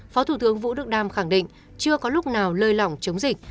phó thủ tướng vũ đức đam khẳng định chưa có lúc nào lơi lỏng chống dịch